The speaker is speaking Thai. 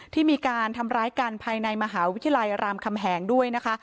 ที่มีการทำร้ายกันภายในมหาวิทยาลัยรามคำแหงด้วยนะคะ